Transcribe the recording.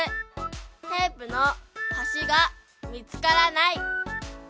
テープの端が見つからない。